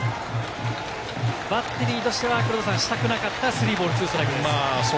バッテリーとしてはしたくなかった、３ボール２ストライクです。